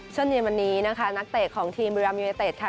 เช่นเย็นวันนี้นะคะนักเตะของทีมบุรีรัมยูเนเต็ดค่ะ